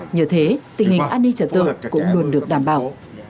nhờ thế tình hình an ninh trở tượng cũng luôn được đảm bảo